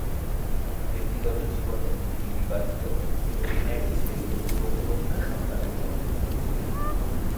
ব্যক্তিগত জীবনে তিনি বিবাহিত এবং এক ছেলে ও কন্যা সন্তানের জনক।